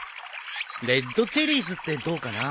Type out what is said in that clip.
「レッドチェリーズ」ってどうかな？